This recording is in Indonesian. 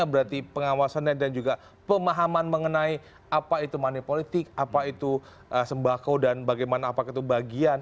yang berarti pengawasan dan juga pemahaman mengenai apa itu money politik apa itu sembako dan bagaimana bagian